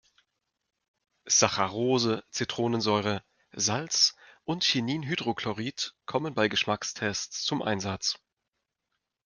Saccharose, Zitronensäure, Salz und Chininhydrochlorid kommen bei Geschmackstests zum Einsatz.